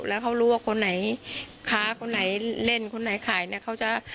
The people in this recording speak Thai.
แล้วเขารู้ว่าคนไหนค้าคนไหนเล่นคนไหนขายเนี่ยเขาจะ